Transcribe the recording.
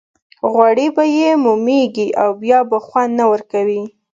غوړي به یې مومېږي او بیا به خوند نه ورکوي.